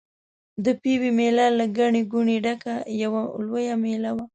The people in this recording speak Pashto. د پېوې مېله له ګڼې ګوڼې ډکه یوه لویه مېله وه.